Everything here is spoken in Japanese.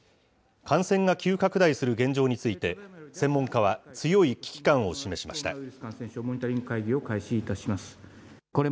感染が急拡大する現状について、専門家は強い危機感を示しました。